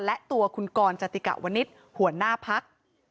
และตัวคุณกรจติกะวนิษฐ์หัวหน้าพัก